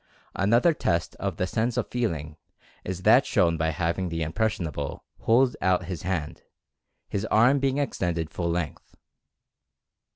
Another test of the sense of feeling is that shown by having the "impressionable" hold out his hand, his arm being extended full length.